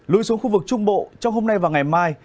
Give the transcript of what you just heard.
lui xuống khu vực trung bộ trong hôm nay và ngày mai